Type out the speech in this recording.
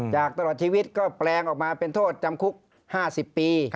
ตลอดชีวิตก็แปลงออกมาเป็นโทษจำคุก๕๐ปี